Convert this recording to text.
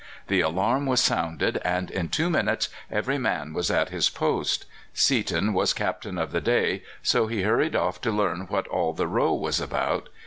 The alarm was sounded, and in two minutes every man was at his post. Seaton was Captain of the day, so he hurried off to learn what all the row was about.